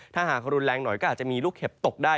ถ้าหากรุนแรงหน่อยก็อาจจะมีลูกเห็บตกได้